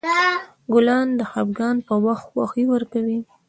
ګلان د خفګان په وخت خوښي ورکوي.